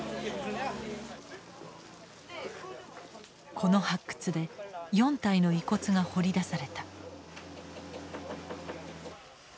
この発掘で４体の遺骨が掘り出された。